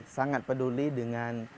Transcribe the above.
sangat peduli dengan